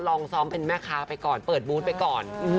ลองซ้อมเป็นแม่ค้าไปก่อนเปิดบูธไปก่อน